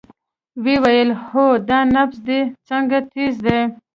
ويې ويل اوهو دا نبض دې څنګه تېز دى.